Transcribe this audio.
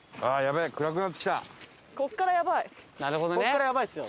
ここからやばいですよ。